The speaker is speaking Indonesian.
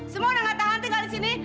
semua udah gak tahan tinggal disini